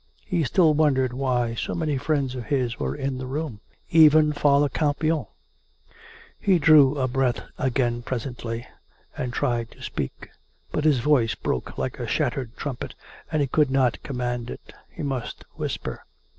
He still wondered why so many friends of his were in the room — even Father Campion. ...) He drew a breath again presently, and tried to speak; but his voice broke like a shattered trumpet, and he could not command it. ... He must whisper.